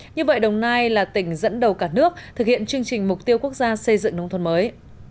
như vậy đồng nai là tỉnh dẫn đầu cả nước thực hiện chương trình mục tiêu quốc gia xây dựng nông thôn mới